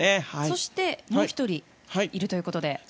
そして、もう１人いるということで。